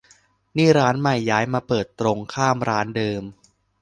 นี่ร้านใหม่ย้ายมาเปิดตรงข้ามร้านเดิม